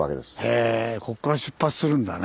へえこっから出発するんだね。